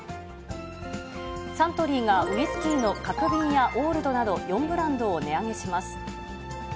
サントリーがウイスキーの角瓶やオールドなど４ブランドを値上げします。